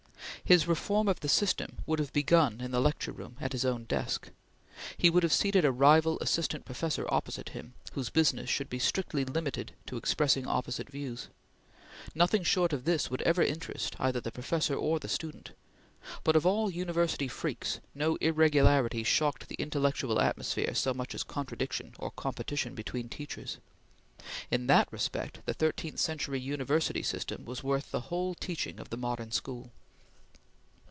His reform of the system would have begun in the lecture room at his own desk. He would have seated a rival assistant professor opposite him, whose business should be strictly limited to expressing opposite views. Nothing short of this would ever interest either the professor or the student; but of all university freaks, no irregularity shocked the intellectual atmosphere so much as contradiction or competition between teachers. In that respect the thirteenth century university system was worth the whole teaching of the modern school.